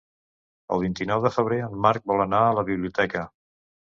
El vint-i-nou de febrer en Marc vol anar a la biblioteca.